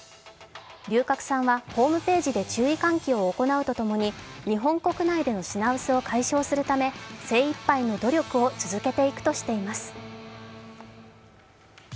龍角散はホームページで注意喚起を行うとともに日本国内での品薄を解消するため精いっぱいの努力を続けていくとしています。